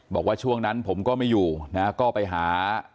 บอกว่าช่วงนั้นผมก็ไม่อยู่นะก็ไปหา